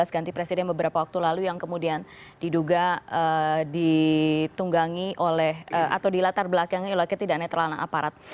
ganti presiden beberapa waktu lalu yang kemudian diduga ditunggangi oleh atau dilatar belakangi oleh ketidak netralan aparat